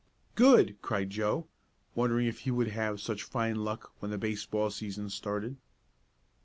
"Good!" cried Joe, wondering if he would have such fine luck when the baseball season started.